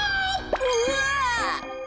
うわ。